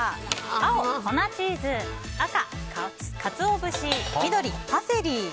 青、粉チーズ赤、カツオ節、緑、パセリ。